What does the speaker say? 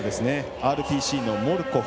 ＲＰＣのモルコフ。